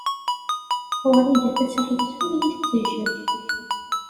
Wrida Tasaḥlit ur iyi-tettejjem.